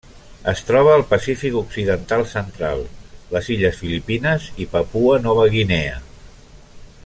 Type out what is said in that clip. Es troba al Pacífic occidental central: les illes Filipines i Papua Nova Guinea.